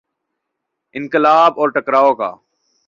انقلاب اور ٹکراؤ کا۔